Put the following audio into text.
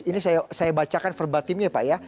ini saya bacakan verbatimnya pak ya